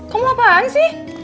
kamu apaan sih